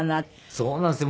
そうなんですよ。